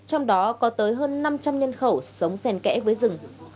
trong đó có tới hơn năm trăm linh nhân khẩu sống sen kẽ với rừng